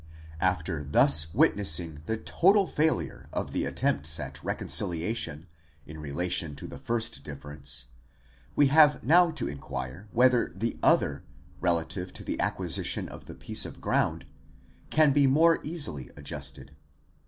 ® After thus witnessing the total failure of the attempts at reconciliation in re lation to the first difference ; we have now to inquire whether the other, relative to the acquisition of the piece of ground, can be more easily adjusted.